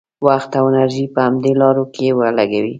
وخت او انرژي په همدې لارو کې ولګوي.